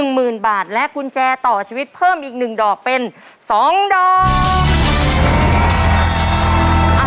หมื่นบาทและกุญแจต่อชีวิตเพิ่มอีก๑ดอกเป็น๒ดอก